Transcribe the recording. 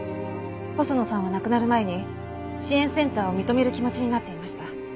細野さんは亡くなる前に支援センターを認める気持ちになっていました。